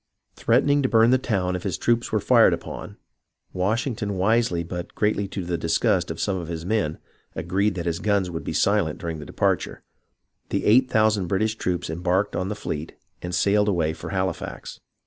Threatening to burn the town if his troops were fired upon (Washington, wisely but greatly to the disgust of some of his men, agreed that his guns would be silent during the departure), the eight thousand Brit ish troops embarked on the fleet and sailed away for Hali fax.